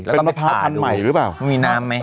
เป็นมะพร้าวอันใหม่หรือเปล่า